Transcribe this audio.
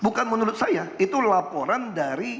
bukan menurut saya itu laporan dari